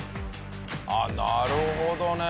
あっなるほどね！